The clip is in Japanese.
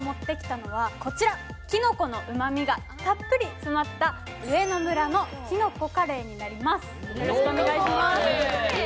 今日私が持ってきたのはこちらきのこのうまみがたっぷり詰まった上野村のきのこカレーになります。